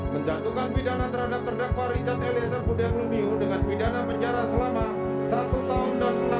menjatuhkan pidana terhadap terdakwa richard eliezer budiang lumiu dengan pidana penjara selama satu tahun dan enam tahun